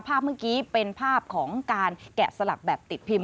ภาพเมื่อกี้เป็นภาพของการแกะสลักแบบติดพิม